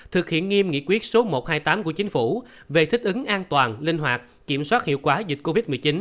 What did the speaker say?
thực hiện nghiêm nghị quyết số một trăm hai mươi tám của chính phủ về thích ứng an toàn linh hoạt kiểm soát hiệu quả dịch covid một mươi chín